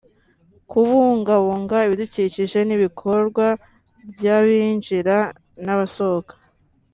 kubungabunga ibidukikije n’ibikorwa by’abinjira n’abasohoka